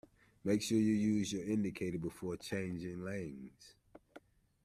Make sure you use your indicator before changing lanes